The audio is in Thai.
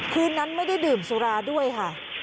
คืนนั้นไม่ได้ดื่มสุราด้วยค่ะ